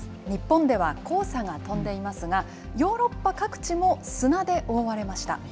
日本では黄砂が飛んでいますが、ヨーロッパ各地も砂で覆われました。